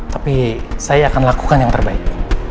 tapi saya akan lakukan yang terbaik